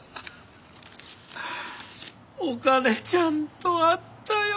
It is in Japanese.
お金ちゃんとあったよ。